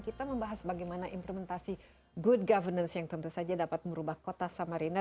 kita membahas bagaimana implementasi good governance yang tentu saja dapat merubah kota samarinda